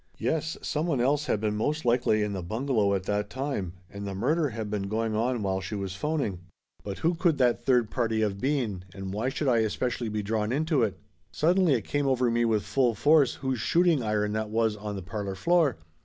Yes, someone else had most likely been in the bungalow at that time, and the murder had been going on while she was phoning. But who could that third party of been, and why should I espe cially be drawn into it? Suddenly it come over me with full force whose shooting iron that was on the parlor floor.